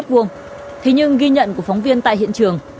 thế nhưng ghi nhận của phóng viên tại hiện trường